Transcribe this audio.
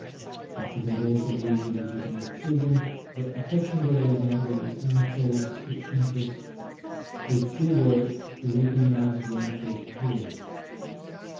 After the loss of these illegitimate children, the affections of Alexander were turned toward the empress, whose true worth he recognized when it was too late.